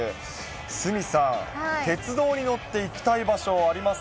鷲見さん、鉄道に乗って行きたい場所あります？